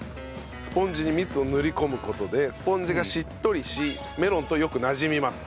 スポンジに蜜を塗り込む事でスポンジがしっとりしメロンとよくなじみます。